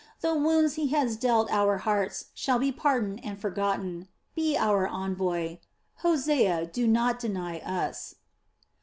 The wounds he has dealt our hearts shall be pardoned and forgotten. Be our envoy. Hosea, do not deny us."